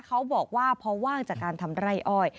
เขาบอกว่าพอว่างจากการทำไร่อ้อย